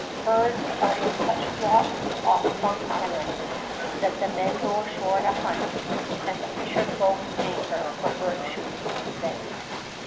Birds are in such flocks off Funk Island that the men go ashore to hunt, as the fisher folk anchor for bird shooting to day.